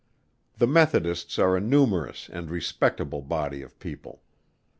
The Methodists are a numerous and respectable body of people.